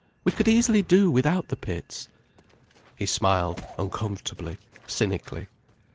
We could easily do without the pits." He smiled, uncomfortably, cynically.